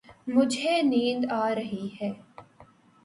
مجھے نیند آ رہی ہے